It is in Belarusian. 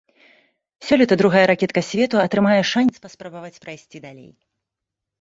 Сёлета другая ракетка свету атрымае шанец паспрабаваць прайсці далей.